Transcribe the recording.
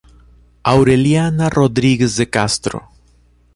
Aureliana Rodrigues de Castro